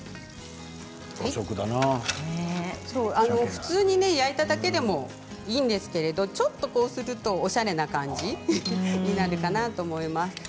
普通に焼いただけでもいいんですけれどもちょっとこうするとおしゃれな感じになるかなと思います。